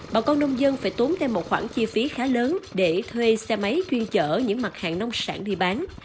bà con nông dân phải tốn thêm một khoản chi phí khá lớn để thuê xe máy chuyên chở những mặt hàng nông sản đi bán